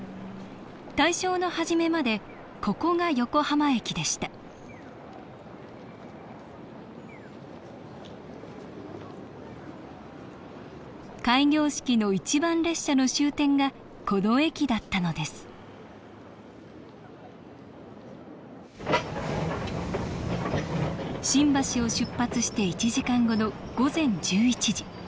大正の初めまでここが横浜駅でした開業式の一番列車の終点がこの駅だったのです新橋を出発して１時間後の午前１１時。